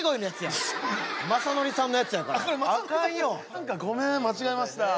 何かごめん間違えました。